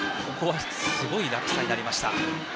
すごい落差になりました。